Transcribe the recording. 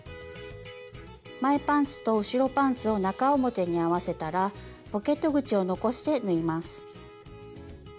前パンツと後ろパンツを中表に合わせたらポケット口を残して縫います。